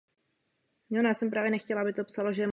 Trosky byly následně odstraněny.